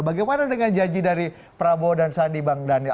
bagaimana dengan janji dari prabowo dan sandi bang daniel